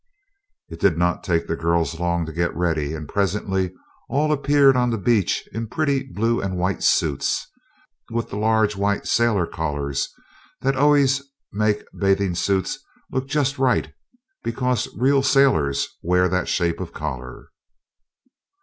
It did not take the girls long to get ready, and presently all appeared on the beach in pretty blue and white suits, with the large white sailor collars, that always make bathing suits look just right, because real sailors wear that shape of collar.